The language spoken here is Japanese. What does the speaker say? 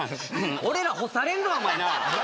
俺ら干されんぞお前なあ